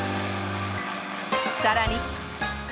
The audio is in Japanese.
さらに。